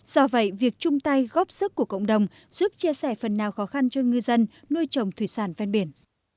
do vậy việc chung tay góp sức của cộng đồng giúp chia sẻ phần nào khó khăn cho ngư dân nuôi trồng thủy sản ven biển